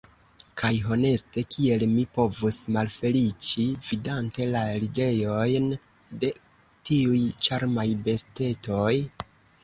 Kaj honeste, kiel mi povus malfeliĉi vidante la ridetojn de tiuj ĉarmaj bestetoj?